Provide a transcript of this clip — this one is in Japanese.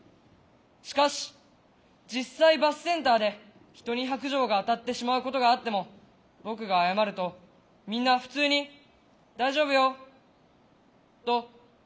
しかし実際バスセンターで人に白じょうが当たってしまうことがあっても僕が謝るとみんな普通に「大丈夫よ」と言ってくれる。